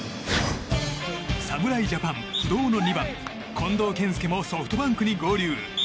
侍ジャパン不動の２番近藤健介もソフトバンクに合流。